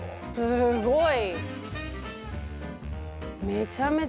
すごい。